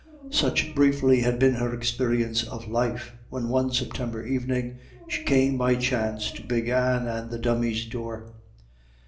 Such, briefly, had been her experience of life, when one September evening she came by chance to Big Anne and the Dummy's door.